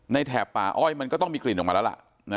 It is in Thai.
แถบป่าอ้อยมันก็ต้องมีกลิ่นออกมาแล้วล่ะ